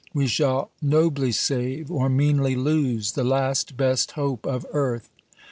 We shall nobly save, or meanly lose, the last, best hope of earth.